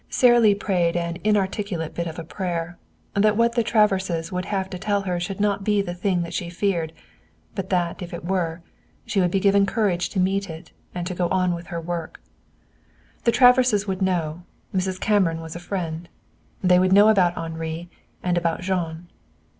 Sara Lee prayed an inarticulate bit of a prayer, that what the Traverses would have to tell her should not be the thing that she feared, but that, if it were, she be given courage to meet it and to go on with her work. The Traverses would know; Mrs. Cameron was a friend. They would know about Henri, and about Jean.